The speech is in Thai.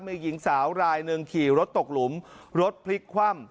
มีหญิงสาวรายหนึ่งขี่รถตกหลุมรถพลิกคว่ำ